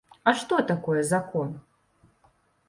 А што такое закон?